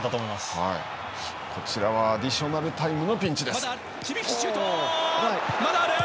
こちらはアディショナルタイムのピンチ。